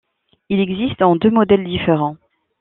Il existe en deux modèles différents.